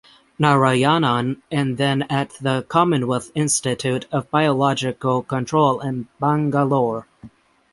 Narayanan and then at the Commonwealth Institute of Biological Control in Bangalore.